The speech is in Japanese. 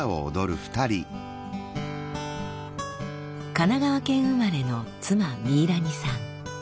神奈川県生まれの妻ミイラニさん。